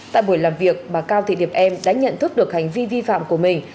tại buổi làm việc bà cao thị điệp em đã nhận thức được hành vi vi phạm của mình